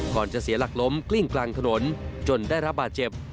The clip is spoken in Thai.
จะเสียหลักล้มกลิ้งกลางถนนจนได้รับบาดเจ็บ